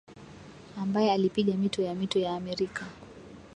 ambaye alipiga mito ya mito ya Amerika